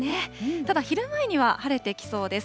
ただ昼前には、晴れてきそうです。